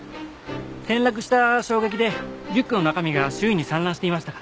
転落した衝撃でリュックの中身が周囲に散乱していましたから。